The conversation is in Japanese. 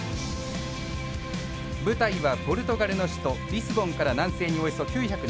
舞台はポルトガルの首都リスボンから南西におよそ９７０ｋｍ。